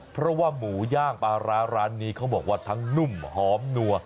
เพราะว่าหมูย่างปลาร้าร้านนี้เขาบอกว่าทั้งนุ่มหอมนัว